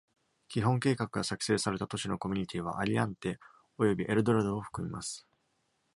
基本計画が作成された都市のコミュニティは、アリアンテおよびエルドラドを含みます。